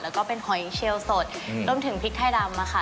แล้วก็เป็นหอยเชียวสดรวมถึงพริกไทยดำค่ะ